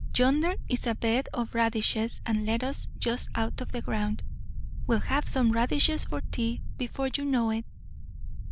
Yonder is a bed of radishes and lettuce just out of the ground. We'll have some radishes for tea, before you know it."